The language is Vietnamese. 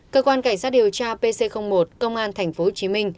cơ quan cảnh sát điều tra pc một công an tp hcm